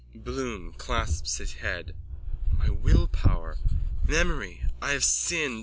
BLOOM: (Clasps his head.) My willpower! Memory! I have sinned!